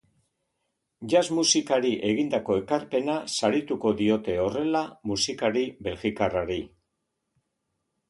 Jazz musikari egindako ekarpena sarituko diote horrela musikari belgikarrari.